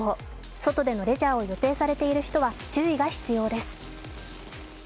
外でのレジャーを予定されている人は注意が必要です。